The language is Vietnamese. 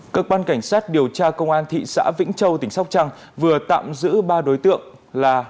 cơ quan cảnh sát điều tra công an thị xã vĩnh châu tỉnh sóc trăng vừa tạm giữ ba đối tượng là